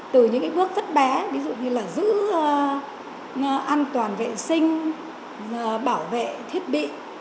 từ những bước rất bé ví dụ như là giữ an toàn vệ sinh bảo vệ thiết bị